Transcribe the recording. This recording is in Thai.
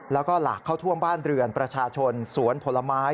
แล้วก็หลากเข้าท่วมบ้านเรือนประชาชนสวนผลไม้